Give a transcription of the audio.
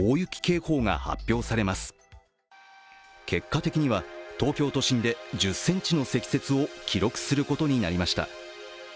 結果的には東京都心で１０ｃｍの積雪を記録することになりました。